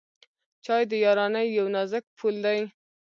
چای د یارانۍ یو نازک پُل دی.